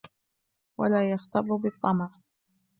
وَلَا يَغْتَرُّ بِالطَّمَعِ